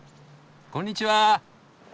こんにちは。